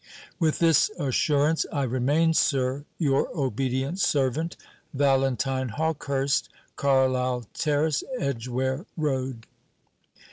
"With this assurance, I remain, sir, Your obedient servant, VALENTINE HAWKEHURST. Carlyle Terrace, Edgware Road."